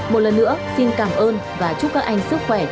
một lần nữa xin cảm ơn và chúc các anh sức khỏe